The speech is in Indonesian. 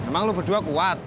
emang lo berdua kuat